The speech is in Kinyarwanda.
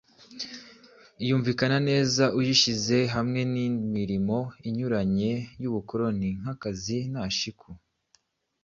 yumvikana neza uyishyize hamwe n'indi mirimo inyuranye y'ubukoloni nk'akazi na shiku